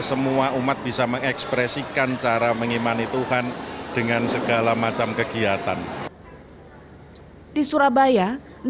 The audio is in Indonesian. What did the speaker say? semua umat bisa mengekspresikan cara mengimani tuhan dengan segala macam kegiatan di surabaya